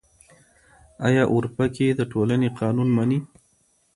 آيا اورپکي د ټولنې قانون مني؟